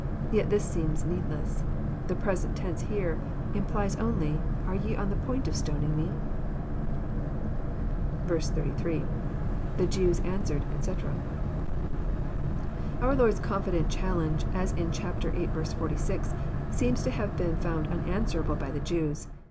Yet this seems needless. The present tense here implies only, Are ye on the point of stoning Me ? 88.— [TTie Jews answered, etc,'] Our Lord's confident challenge, as in chap. viii. 46, seems to have been foi^nd unanswerable by the Jews.